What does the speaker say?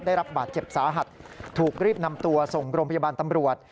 ได้รับบาดเจ็บสาหัสถูกรีบนำตัวส่งโรงพยาบาลตำรวจ